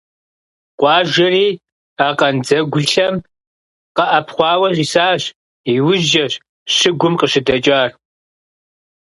Къуажэри а къандзэгулъэм къэӀэпхъуауэ исащ, иужькӀэщ щыгум къыщыдэкӀар.